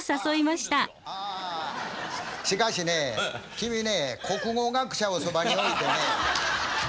君ね国語学者をそばに置いてね。